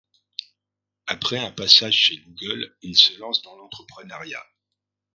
Après un passage chez Google, il se lance dans l’entrepreunariat.